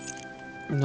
何？